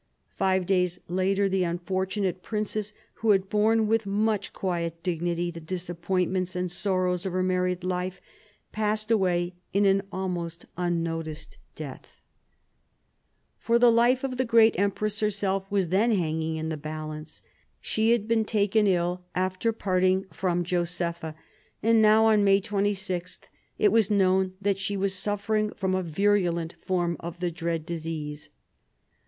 Five days later, the unfortunate princess, who had borne with much quiet dignity the disappointments and sorrows of her married life, passed away in an almost unnoticed death. 1765 70 DOMESTIC AFFAIRS 217 For the life of the great empress herself was then hanging in the balance. She had been taken ill after parting from Josepha, and now, on May 26, it was known that she was suffering from a virulent form of the dread disease.